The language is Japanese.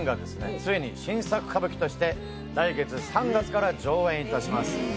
ついに新作歌舞伎として来月３月から上演いたします